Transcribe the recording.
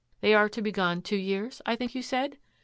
They are to be gone two years, I think you said?